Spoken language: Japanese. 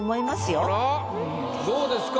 どうですか？